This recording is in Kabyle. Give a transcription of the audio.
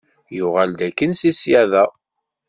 Yuɣal-d akken si ssyaḍa.